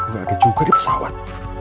gak ada juga di pesawat